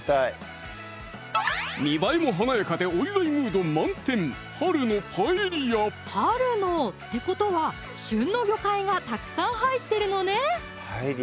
見栄えも華やかでお祝いムード満点「春の」ってことは旬の魚介がたくさん入ってるのね